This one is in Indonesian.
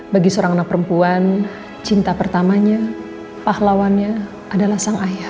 bagi seorang anak perempuan cinta pertamanya pahlawannya adalah sang ayah